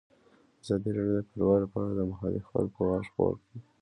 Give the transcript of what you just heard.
ازادي راډیو د کډوال په اړه د محلي خلکو غږ خپور کړی.